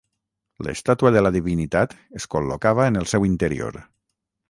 L'estàtua de la divinitat es col·locava en el seu interior.